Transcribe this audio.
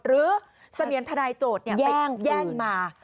หรือเสมียนทนายโจทย์ไปแย่งมา